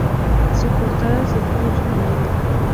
Su coartada se puso en duda.